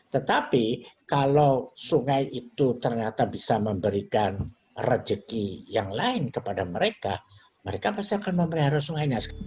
tetapi kalau sungai itu ternyata bisa memberikan rejeki yang lain kepada mereka mereka pasti akan memelihara sungainya